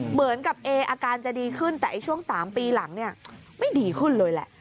เหมือนกับเออาการจะดีขึ้นแต่ช่วง๓ปีหลังเนี่ยไม่ดีขึ้นเลยแหละ